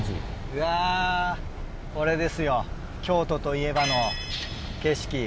うわこれですよ京都といえばの景色。